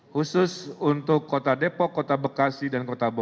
khusus untuk kota depok kota bekasi dan kota bogor